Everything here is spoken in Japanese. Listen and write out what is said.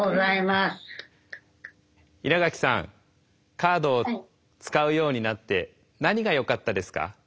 カードを使うようになって何がよかったですか？